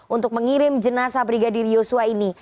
untuk mengirim jenasa brigadir yosua ini